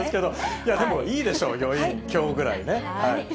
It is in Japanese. いやでも、いいでしょう、余韻、きょうぐらいね。